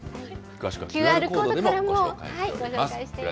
詳しくはＱＲコードでもご紹介しています。